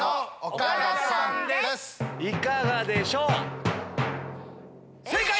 いかがでしょう？